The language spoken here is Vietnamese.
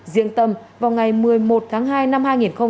riêng tâm vào ngày một mươi một tháng hai năm hai nghìn hai mươi